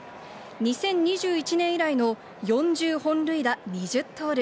２０２１年以来の４０本塁打２０盗塁。